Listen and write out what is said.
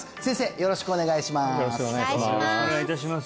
よろしくお願いします